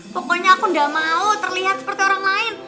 pokoknya aku gak mau terlihat seperti orang lain